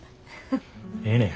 ええねや。